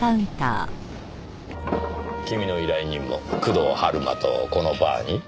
君の依頼人も工藤春馬とこのバーに？